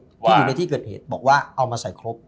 ที่อยู่ในที่เกิดเหตุบอกว่าเอามาใส่ครบ